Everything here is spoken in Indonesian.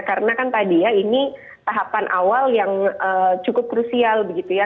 karena kan tadi ya ini tahapan awal yang cukup krusial begitu ya